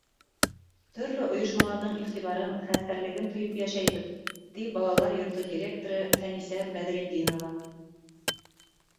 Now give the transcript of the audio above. — Төрлө ойошмаларҙың иғтибарын, хәстәрлеген тойоп йәшәйбеҙ, — ти балалар йорто директоры Фәнисә Бәҙретдинова.